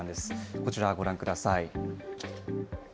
こちらご覧ください。